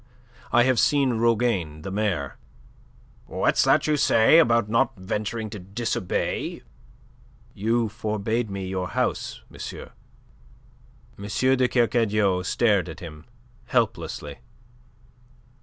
I have seen Rougane, the mayor..." "What's that you say about not venturing to disobey?" "You forbade me your house, monsieur." M. de Kercadiou stared at him helplessly.